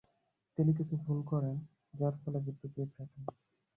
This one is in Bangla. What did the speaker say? তিনি কিছু ভুল করেন যার ফলে বিদ্যুৎ বিভ্রাট হয়।